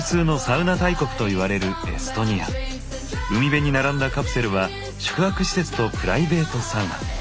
海辺に並んだカプセルは宿泊施設とプライベートサウナ。